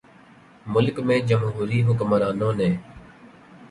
ملک میں جمہوری حکمرانوں نے